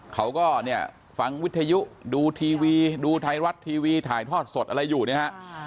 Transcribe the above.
เขาก็เนี่ยฟังวิทยุดูทีวีดูไทยรัฐทีวีถ่ายทอดสดอะไรอยู่เนี่ยฮะ